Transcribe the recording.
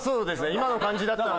今の感じだったら。